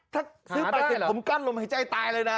ถ้าซื้อ๘๐ผมกั้นลงหายใจตายเลยนะ